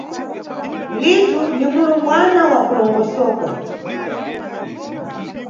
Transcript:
Litu ni mulumbwana wa kulongosoka.